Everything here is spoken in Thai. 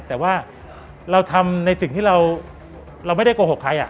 แต่ว่าเราทำในสิ่งที่เราไม่ได้โกหกใคร